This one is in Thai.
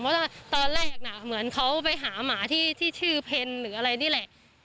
เพราะว่าตอนแรกน่ะเหมือนเขาไปหาหมาที่ชื่อเพ็ญหรืออะไรนี่แหละ